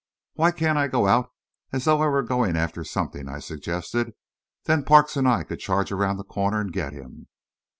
"Why can't I go out as though I were going after something," I suggested. "Then Parks and I could charge around the corner and get him."